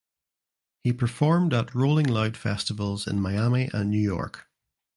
He performed at Rolling Loud Festivals in Miami and New York.